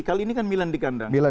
kali ini kan milan dikandang